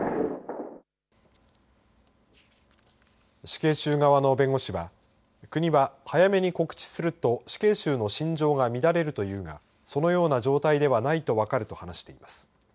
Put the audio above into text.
死刑囚側の弁護士は国は早めに告知すると死刑囚の心情が乱れるというがそのような状態ではないと分かると話しています。